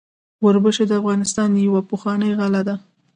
وربشې د افغانستان یوه پخوانۍ غله ده.